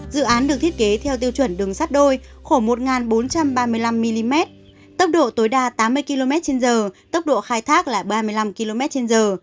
dự án được thiết kế theo tiêu chuẩn đường sắt đôi khổ một nghìn bốn trăm ba mươi năm mm tốc độ tối đa tám mươi kmh tốc độ khai thác là ba mươi năm kmh